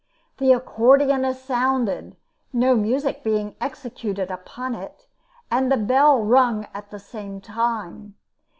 The accordeon is sounded, no music being executed upon it, and the bell rung at the same time.